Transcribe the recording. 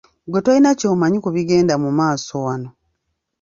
Gwe toyina ky'omanyi ku bigenda mu maaso wano.